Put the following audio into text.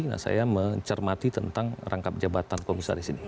nah saya mencermati tentang rangkap jabatan komisaris ini